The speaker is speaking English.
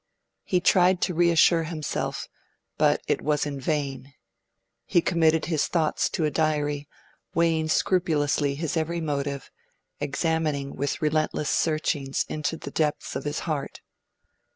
He tried to reassure himself, but it was in vain. He committed his thoughts to a diary, weighing scrupulously his every motive, examining with relentless searchings into the depths of his heart.